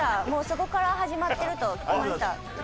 もうそこから始まってると聞きました。